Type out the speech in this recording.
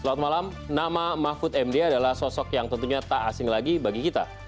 selamat malam nama mahfud md adalah sosok yang tentunya tak asing lagi bagi kita